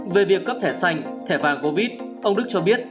về việc cấp thẻ xanh thẻ vàng covid ông đức cho biết